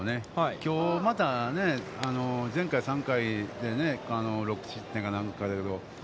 きょうまた、前回３回で６失点か何かやけど。